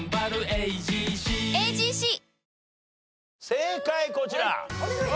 正解こちら。